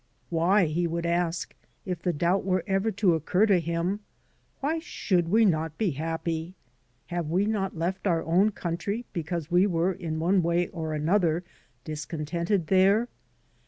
Why, he would ask, if the doubt were ever to occur to him — why should we not be happy? Have we not left our own country because we were in one way or another discontented there?